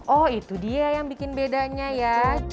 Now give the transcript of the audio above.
oh itu dia yang bikin bedanya ya